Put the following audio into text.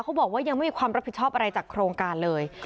บอกว่ายังไม่มีความรับผิดชอบอะไรจากโครงการเลย